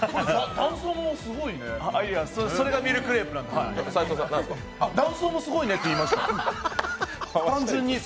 断層もすごいね、そんだけ言いました。